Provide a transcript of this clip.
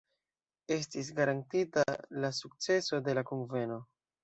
Estis garantiita la sukceso de la Kunveno.